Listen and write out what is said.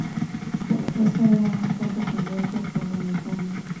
Ésta era una cuenta pendiente con la montaña.